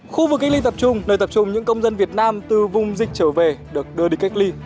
khu vực cách ly tập trung nơi tập trung những công dân việt nam từ vùng dịch trở về được đưa đi cách ly